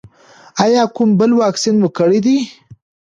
ایا کوم بل واکسین مو کړی دی؟